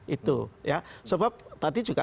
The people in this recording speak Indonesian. itu ya sebab tadi juga